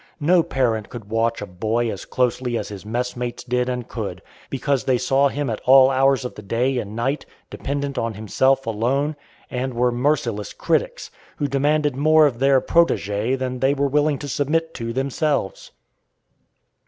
No parent could watch a boy as closely as his mess mates did and could, because they saw him at all hours of the day and night, dependent on himself alone, and were merciless critics, who demanded more of their protégé than they were willing to submit to themselves.